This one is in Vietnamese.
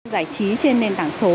giải trí trên nền tảng số